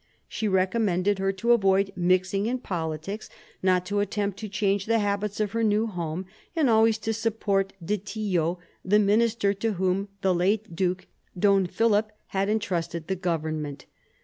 She recommended her to avoid mixing in politics, not to attempt to change the habits of her new home, and always to support De Tillot, the minister to whom the late duke, Don Philip, had entrusted the government.